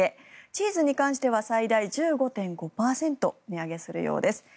チーズに関しては最大１５．５％値上げするようです。